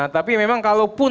tapi memang kalau pun